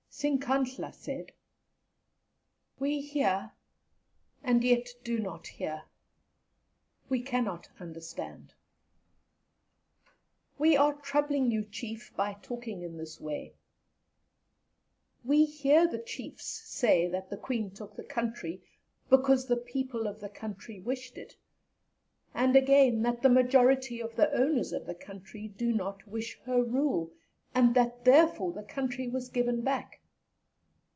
Sinkanhla said: "We hear and yet do not hear, we cannot understand. We are troubling you, Chief, by talking in this way; we hear the Chiefs say that the Queen took the country because the people of the country wished it, and again, that the majority of the owners of the country did not wish her rule, and that therefore the country was given back.